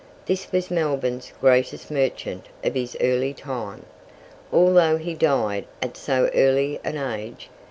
This was Melbourne's greatest merchant of his early time, although he died at so early an age.